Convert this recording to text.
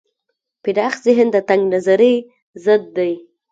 پراخ ذهن د تنگ نظرۍ ضد دی.